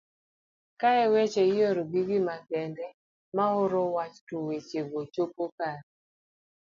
kae weche ioro gi gi makende maoro wach to weche go chopo kar